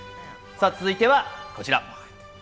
続いてはこちら。